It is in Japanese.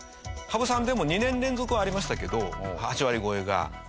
羽生さんでも２年連続はありましたけど８割超えが。